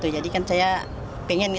jadi kan saya ingin